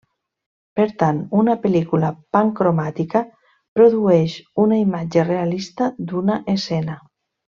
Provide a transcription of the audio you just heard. Per tant una pel·lícula pancromàtica produeix una imatge realista d'una escena.